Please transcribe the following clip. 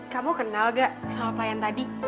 kamu kenal gak sama pelayan tadi